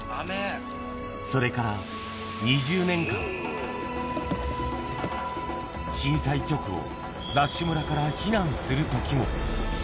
それから２０年間、震災直後、ＤＡＳＨ村から避難するときも。